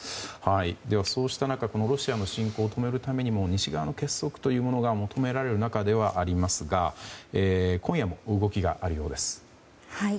そうした中このロシアの侵攻を止めるためにも西側の結束というものが求められる中ではありますが今夜も動きがあるようです。